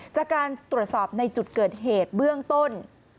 จากการตรวจสอบในจุดเกิดเหตุเบื้องต้น